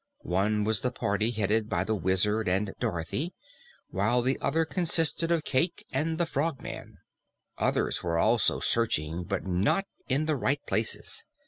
One was the party headed by the Wizard and Dorothy, while the other consisted of Cayke and the Frogman. Others were also searching, but not in the right places.